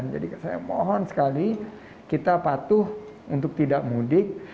jadi saya mohon sekali kita patuh untuk tidak mudik